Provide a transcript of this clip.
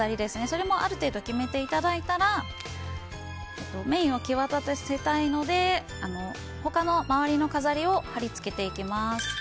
それもある程度決めていただいたらメインを際立たせたいので他の周りの飾りを貼り付けていきます。